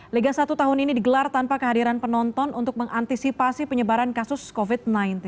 liga satu tahun ini digelar tanpa kehadiran penonton untuk mengantisipasi penyebaran kasus covid sembilan belas